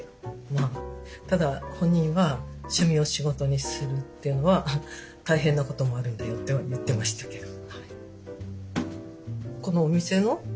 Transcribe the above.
ただ本人は趣味を仕事にするというのは大変なこともあるんだよとは言ってましたけど。